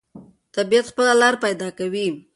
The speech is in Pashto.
طبیعت خپله لاره پیدا کوي.